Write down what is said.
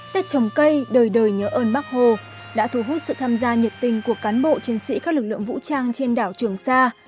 tết trồng cây đời đời nhớ ơn bác hồ đã thu hút sự tham gia nhiệt tình của cán bộ chiến sĩ các lực lượng vũ trang trên đảo trường sa